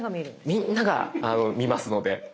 みんなが見ますので。